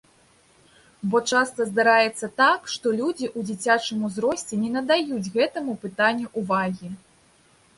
Бо часта здараецца так, што людзі ў дзіцячым узросце не надаюць гэтаму пытанню ўвагі.